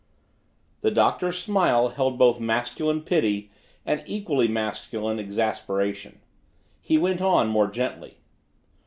The Doctor's smile held both masculine pity and equally masculine exasperation. He went on more gently.